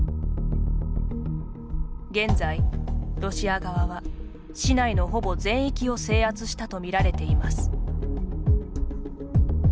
現在、ロシア側は市内のほぼ全域を制圧したと見られています。